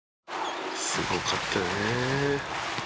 「すごかったよね」